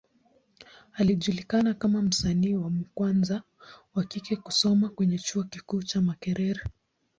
Alijulikana kama msanii wa kwanza wa kike kusoma kwenye Chuo kikuu cha Makerere.